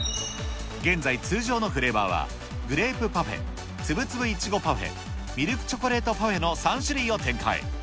現在、通常のフレーバーはグレープパフェ、つぶつぶいちごパフェ、ミルクチョコレートパフェの３種類を展開。